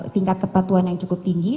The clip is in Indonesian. tingkat kepatuhan yang cukup tinggi